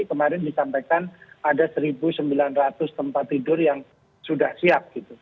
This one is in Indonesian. kemarin disampaikan ada satu sembilan ratus tempat tidur yang sudah siap